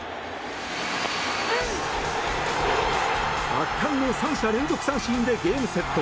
圧巻の３者連続三振でゲームセット。